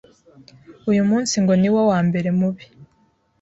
Uyu munsi ngo niwo wambere mubi